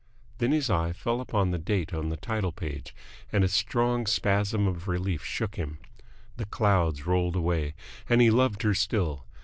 Then his eye fell upon the date on the title page, and a strong spasm of relief shook him. The clouds rolled away, and he loved her still.